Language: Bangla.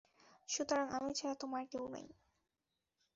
সুতরাং আমি ছাড়া তোমার কেউ নেই।